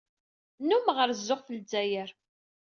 Nnummeɣ rezzuɣ ɣef Lezzayer.